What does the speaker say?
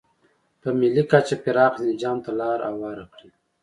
په ملي کچه پراخ انسجام ته لار هواره کړي.